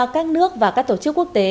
các nước và các tổ chức quốc tế